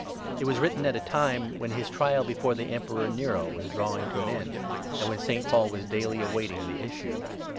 It was written at a time when his trial before the Emperor Nero was drawing to an end, and when St. Paul was daily awaiting the issue.